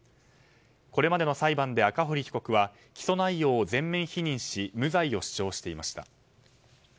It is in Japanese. これまでの裁判で赤堀被告は起訴内容を全面否認し無罪を主張していました。